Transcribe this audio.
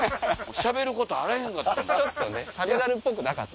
しゃべることあらへんかった。